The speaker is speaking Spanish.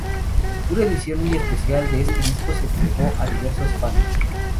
Una edición muy especial de este disco se entregó a diversos fanes.